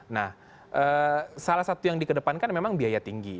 nah salah satu yang di kedepankan memang biaya tinggi